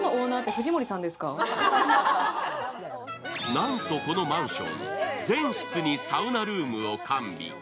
なんとこのマンション、全室にサウナルームを完備。